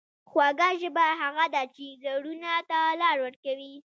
خوږه ژبه هغه ده چې زړونو ته لار وکړي.